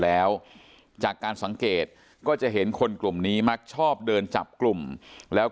แล้วจากการสังเกตก็จะเห็นคนกลุ่มนี้มักชอบเดินจับกลุ่มแล้ว